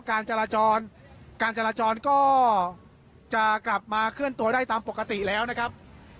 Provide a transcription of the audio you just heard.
การจราจรการจราจรก็จะกลับมาเคลื่อนตัวได้ตามปกติแล้วนะครับ